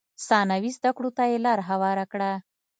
ثانوي زده کړو ته یې لار هواره کړه.